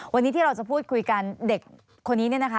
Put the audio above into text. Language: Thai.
วันนี้ที่เราจะพูดคุยกันเด็กคนนี้เนี่ยนะคะ